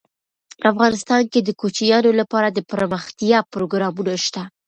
افغانستان کې د کوچیانو لپاره دپرمختیا پروګرامونه شته.